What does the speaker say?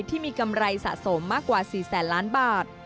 ที่มีกำไรสะสมมากกว่า๔แสนล้านบาท